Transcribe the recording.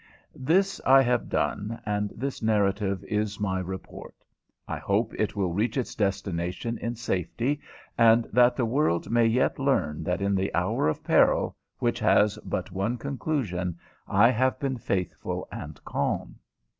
This I have done, and this narrative is my report. I hope it will reach its destination in safety, and that the world may yet learn that in the hour of peril, which has but one conclusion, I have been faithful and calm.